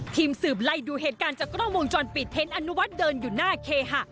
ทีมสืบไล่ดูเหตุการณ์จากกล้องวงจรปิดเห็นอนุวัฒน์เดินอยู่หน้าเคหะ